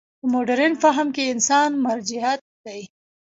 په مډرن فهم کې انسان مرجعیت دی.